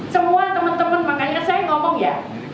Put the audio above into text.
semua teman teman makanya saya ngomong ya